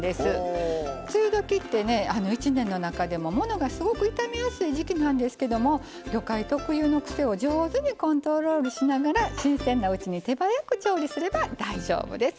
梅雨時ってね一年の中でもものがすごく傷みやすい時季なんですけども魚介特有の癖を上手にコントロールしながら新鮮なうちに手早く調理すれば大丈夫です。